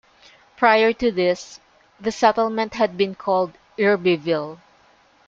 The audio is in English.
Prior to this, the settlement had been called Irbyville.